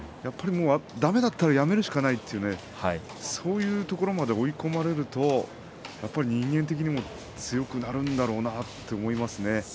だめだったら、やめるしかないとそういうところまで追い込まれるとやっぱり人間的にも強くなるんだろうなと思いますね。